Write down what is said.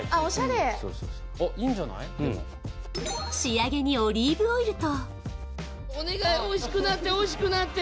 でも仕上げにオリーブオイルとお願いおいしくなっておいしくなって！